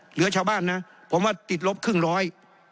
เหลือชาวบ้านนะผมว่าติดลบครึ่งร้อย